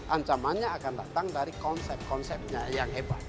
ancamannya akan datang dari konsep konsepnya yang hebat